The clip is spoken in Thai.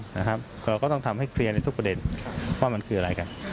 เราก็ต้องทำให้เคลียร์ในทุกประเด็นว่ามันคืออะไรกัน